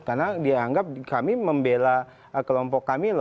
karena dianggap kami membela kelompok kami